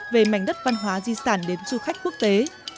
về mảnh đất văn hóa di sản đến du khách quốc tế